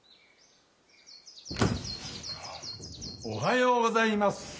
おはようございます！